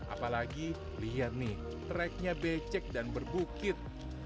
apalagi lihat nih treknya becek dan berbukit